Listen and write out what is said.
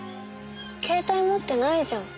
携帯持ってないじゃん。